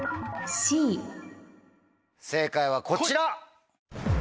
正解はこちら。